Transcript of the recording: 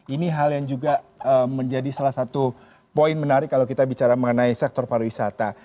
ini hal yang juga menjadi salah satu poin menarik kalau kita bicara mengenai sektor pariwisata